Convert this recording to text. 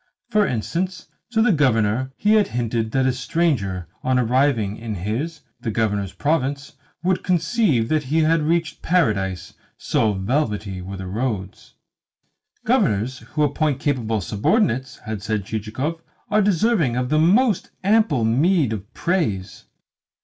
For instance to the Governor he had hinted that a stranger, on arriving in his, the Governor's province, would conceive that he had reached Paradise, so velvety were the roads. "Governors who appoint capable subordinates," had said Chichikov, "are deserving of the most ample meed of praise."